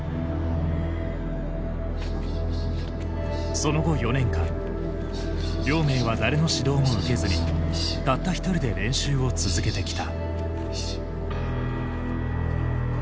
その後４年間亮明は誰の指導も受けずにたった一人で練習を続けてきた。